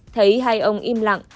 thấy hai ông im lặng